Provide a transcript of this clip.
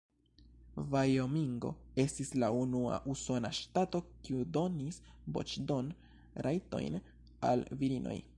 Vajomingo estis la unua usona ŝtato, kiu donis voĉdon-rajtojn al virinoj.